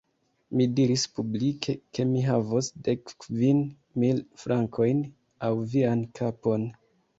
Mi diris publike, ke mi havos dek kvin mil frankojn aŭ vian kapon.